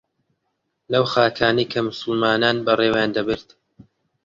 لەو خاکانەی کە موسڵمانان بەڕێوەیان دەبرد